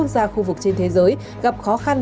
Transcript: ra khu vực trên thế giới gặp khó khăn